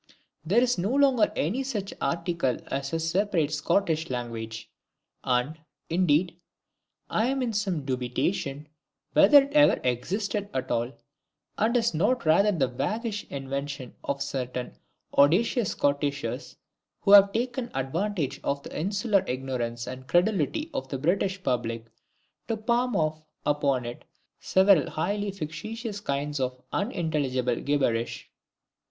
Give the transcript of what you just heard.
There is no longer any such article as a separate Scottish language, and, indeed, I am in some dubitation whether it ever existed at all, and is not rather the waggish invention of certain audacious Scottishers, who have taken advantage of the insular ignorance and credulity of the British public to palm off upon it several highly fictitious kinds of unintelligible gibberish!